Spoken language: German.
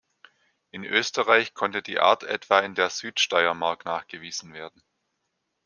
In Österreich konnte die Art etwa in der Südsteiermark nachgewiesen werden.